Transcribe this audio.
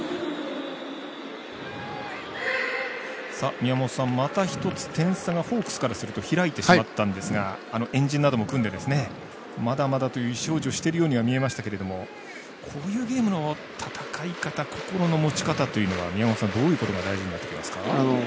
宮本さん、また一つ点差がホークスからすると開いてしまったんですが円陣なども組んでまだまだという意思表示をしてるようには見えましたけどこういうゲームの戦い方心の持ち方というのはどういうところが大事になってきますか？